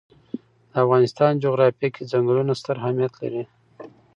د افغانستان جغرافیه کې ځنګلونه ستر اهمیت لري.